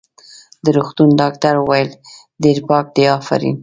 د روغتون ډاکټر وویل: ډېر پاک دی، افرین.